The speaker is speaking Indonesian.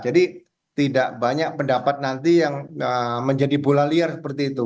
jadi tidak banyak pendapat nanti yang menjadi bola liar seperti itu